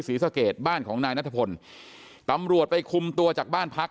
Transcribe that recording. ศรีสะเกดบ้านของนายนัทพลตำรวจไปคุมตัวจากบ้านพัก